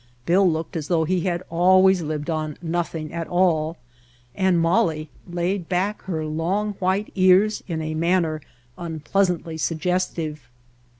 Bill looked as though he had always lived on nothing at all, and Molly laid back her long, white ears in a manner unpleasantly suggestive.